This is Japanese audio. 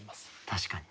確かに。